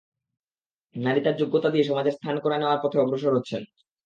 নারী তাঁর যোগ্যতা দিয়ে সমাজে স্থান করে নেওয়ার পথে অগ্রসর হচ্ছেন।